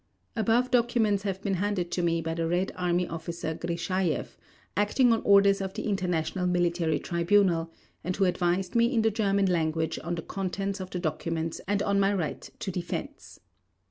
Above documents have been handed to me by the Red Army Officer Grishajeff, acting on orders of the International Military Tribunal and who advised me in the German language on the contents of the documents and on my right to defense.